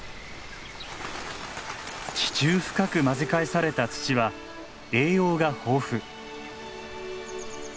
地中深く混ぜ返された土は栄養が豊富。